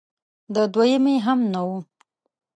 د دویمې هم نه و